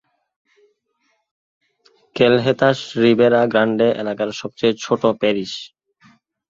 ক্যালহেতাস Ribera Grande এলাকার সবচেয়ে ছোট প্যারিশ।